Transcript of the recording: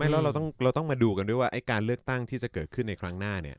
แล้วเราต้องมาดูกันด้วยว่าการเลือกตั้งที่จะเกิดขึ้นในครั้งหน้า